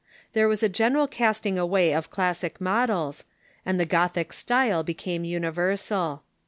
There was a general casting away of classic models, and the Gothic style became universal.